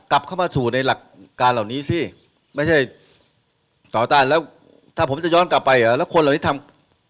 กลับเข้ามาสู่ในหลักการเหล่านี้สิไม่ใช่ต่อต้านแล้วถ้าผมจะย้อนกลับไปเหรอแล้วคนเหล่านี้ทำ